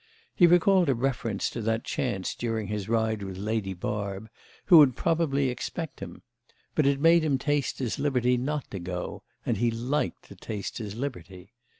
He recalled a reference to that chance during his ride with Lady Barb, who would probably expect him; but it made him taste his liberty not to go, and he liked to taste his liberty.